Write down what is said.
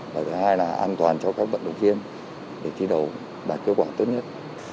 và thứ hai là an toàn cho các vận động viên để thi đấu đạt kết quả tốt nhất